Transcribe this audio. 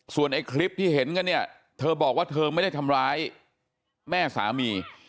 ส่วนไอ้คลิปที่เห็นกันเนี่ยเธอบอกว่าเธอไม่ได้ทำร้ายแม่สามี